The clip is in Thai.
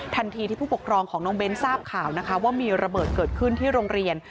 ทันทีที่ผู้ปกครองของน้องเบ้นทราบข่าวนะคะว่ามีระเบิดเกิดขึ้นที่โรงเรียน